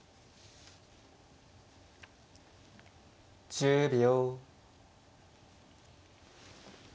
１０秒。